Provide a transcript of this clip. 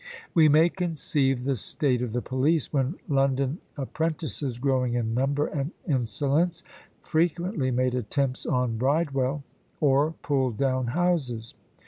We may conceive the state of the police, when "London apprentices," growing in number and insolence, frequently made attempts on Bridewell, or pulled down houses.